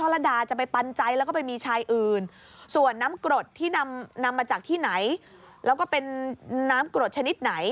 แล้วก็เป็นน้ำกรดชนิดไหน